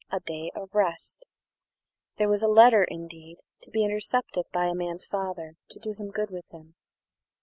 A Day of Rest "There was a letter indeed to be intercepted by a man's father to do him good with him!"